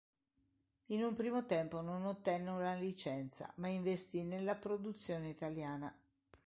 In un primo tempo non ottenne una licenza ma investì nella produzione italiana.